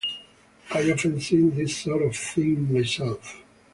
I've often seen this sort of thing myself.